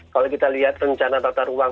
kalau kita lihat rencana tata ruang